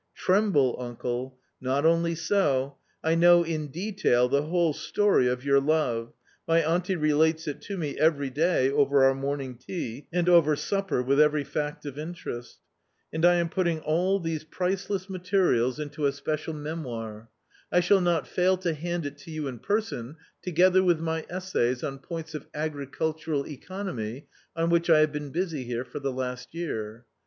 Tremble, uncle ! Not only so. I know in detail the whole story of your love ; my auntie relates it to me every day over our morning tea, and over supper, with every fact of interest. "And I am putting all these priceless materials into a A COMMON STORY 265 special memoir. I shall not fail to hand it to you in person together with my essays on points of agricultural economy on which I have been busy here for the last year.